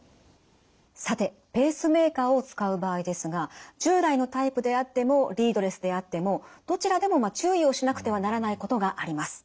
さてペースメーカーを使う場合ですが従来のタイプであってもリードレスであってもどちらでも注意をしなくてはならないことがあります。